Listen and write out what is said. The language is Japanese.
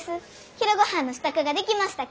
昼ごはんの支度が出来ましたき。